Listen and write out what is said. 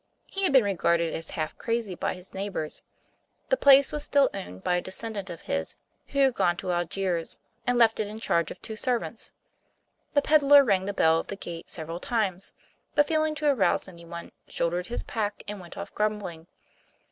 He had been regarded as half crazy by his neighbors. The place was still owned by a descendant of his, who had gone to Algiers, and left it in charge of two servants. The peddler rang the bell of the gate several times, but failing to arouse any one, shouldered his pack and went off grumbling.